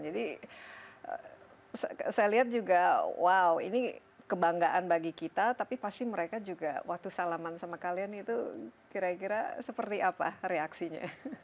jadi saya lihat juga wow ini kebanggaan bagi kita tapi pasti mereka juga waktu salaman sama kalian itu kira kira seperti apa reaksinya